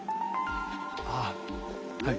ああはい。